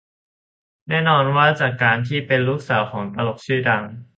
แน่นอนว่าจากการที่เป็นลูกสาวของตลกชื่อดัง